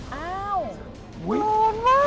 อ้าวโหสนุกมาก